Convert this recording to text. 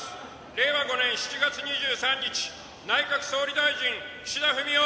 令和５年７月２３日内閣総理大臣岸田文雄